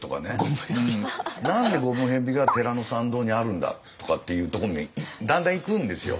何でゴムヘビが寺の参道にあるんだとかっていうところにだんだんいくんですよ。